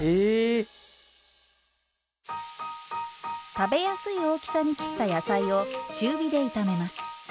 食べやすい大きさに切った野菜を中火で炒めます。